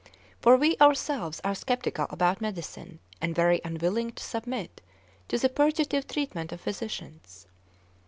For we ourselves are sceptical about medicine, and very unwilling to submit to the purgative treatment of physicians.